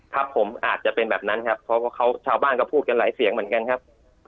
ครับผมอาจจะเป็นแบบนั้นครับเพราะเขาชาวบ้านก็พูดกันหลายเสียงเหมือนกันครับ